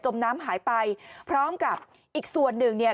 น้ำหายไปพร้อมกับอีกส่วนหนึ่งเนี่ย